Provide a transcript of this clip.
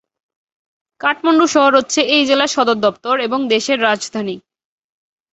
কাঠমান্ডু শহর হচ্ছে এই জেলার সদরদপ্তর এবং দেশের রাজধানী।